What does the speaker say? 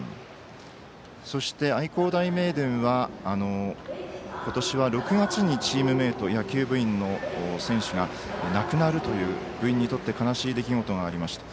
そして、愛工大名電は今年は６月にチームメート野球部員の選手が亡くなるという部員にとって悲しい出来事がありました。